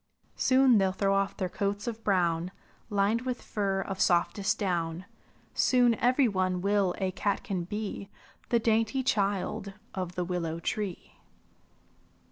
"Soon they'll throw off their coats of brown Lined with fur of softest down; Soon every one will a catkin be. The dainty child of the willow tree."